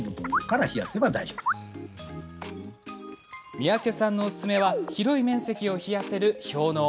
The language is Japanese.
三宅さんのおすすめは広い面積を冷やせる氷のう。